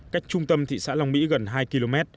cách trung tâm thị xã long mỹ gần hai km